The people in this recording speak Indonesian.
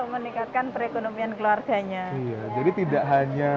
untuk meningkatkan perekonomian keluarganya